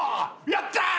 やった！